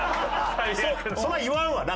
そりゃ言わんわな。